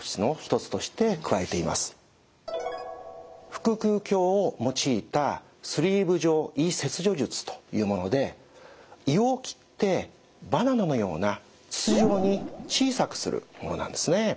腹腔鏡を用いたスリーブ状胃切除術というもので胃を切ってバナナのような筒状に小さくするものなんですね。